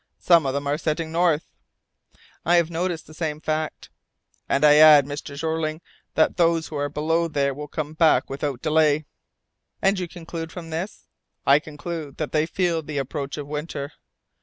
Some of them are setting north." "I have noticed the same fact." "And I add, Mr. Jeorling, that those who are below there will come back without delay." "And you conclude from this?" "I conclude that they feel the approach of winter."